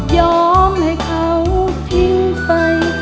ยอมให้เขาทิ้งไป